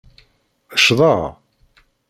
Ccḍeɣ?